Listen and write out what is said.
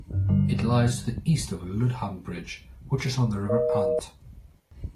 It lies to the East of Ludham Bridge, which is on the River Ant.